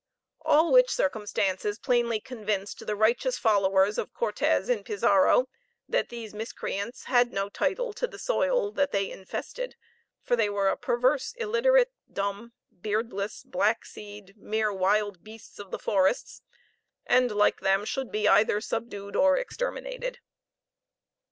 All which circumstances plainly convinced the righteous followers of Cortes and Pizarro that these miscreants had no title to the soil that they infested that they were a perverse, illiterate, dumb, beardless, black seed mere wild beasts of the forests and, like them, should either be subdued or exterminated.